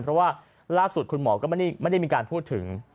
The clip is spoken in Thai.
เพราะว่าล่าสุดคุณหมอก็ไม่ได้มีการพูดถึง